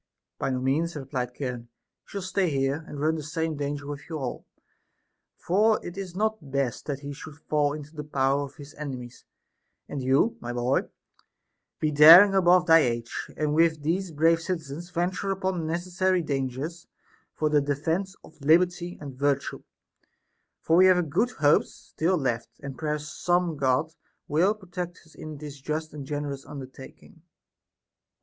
By no means, re plied Charon, he shall stay here, and run the same danger with you all, for it is not best that he should fall into the power of his enemies ; and you, my boy, be daring above thy age, and with these brave citizens venture upon neces sary clangers for the defence of liberty and virtue ; for we have good hopes still left, and perhaps some God will pro tect us in this just and generous undertaking.